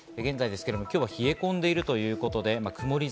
今日は冷え込んでいるということで、曇り空。